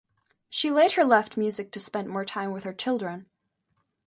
She later left music to spend more time with her children.